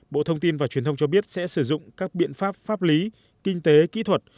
bộ thông tin và truyền thông cho biết sẽ sử dụng các biện pháp pháp lý kinh tế kỹ thuật